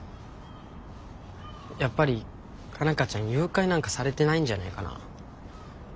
やっぱり佳奈花ちゃん誘拐なんかされてないんじゃないかな？